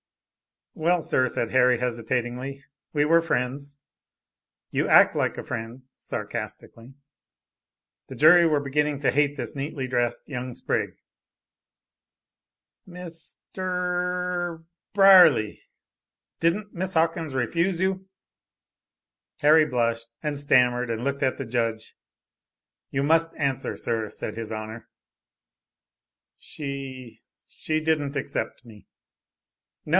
"Well, sir," said Harry hesitatingly, "we were friends." "You act like a friend!" (sarcastically.) The jury were beginning to hate this neatly dressed young sprig. "Mister......er....Brierly! Didn't Miss Hawkins refuse you?" Harry blushed and stammered and looked at the judge. "You must answer, sir," said His Honor. "She she didn't accept me." "No.